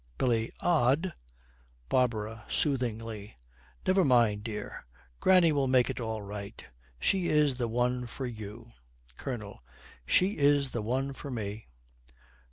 BILLY. 'Odd.' BARBARA, soothingly, 'Never mind, dear, Granny will make it all right. She is the one for you.' COLONEL. 'She is the one for me.'